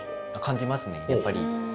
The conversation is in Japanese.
感じますねやっぱり。